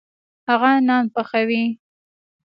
هغه نان پخوي.